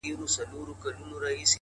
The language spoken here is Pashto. زحمت د خوبونو ژوندي ساتونکی دی؛